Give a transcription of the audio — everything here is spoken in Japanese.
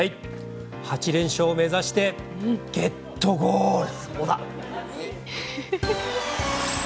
８連勝目指してゲットゴール。